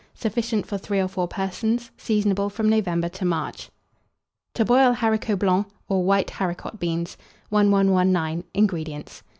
Sufficient for 3 or 4 persons. Seasonable from November to March. TO BOIL HARICOTS BLANCS, or WHITE HARICOT BEANS. 1119. INGREDIENTS.